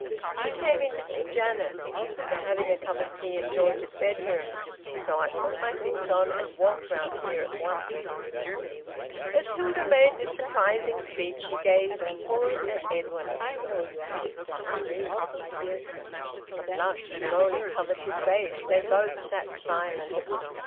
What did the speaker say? "She came in to see Janet. They're having a cup of tea in George's bedroom. So I put my things on and walked round here at once." As Hilda made this surprising speech she gazed full at Edwin. THREE. A blush slowly covered his face. They both sat silent.